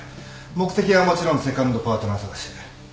目的はもちろんセカンドパートナー探し。